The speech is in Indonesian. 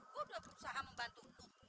aku udah berusaha membantu tuh